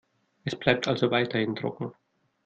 Es bleibt also weiterhin trocken.